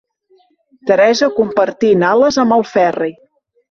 Teresa, compartint ales amb el Ferri.